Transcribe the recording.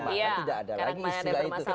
maka tidak ada lagi istilah itu